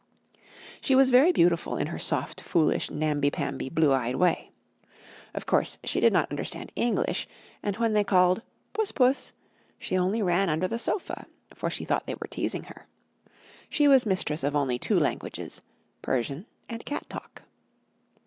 She was very beautiful in her soft, foolish, namby pamby, blue eyed way. Of course, she did not understand English, and when they called "Puss, puss," she only ran under the sofa, for she thought they were teasing her. She was mistress only of two languages Persian and cat talk.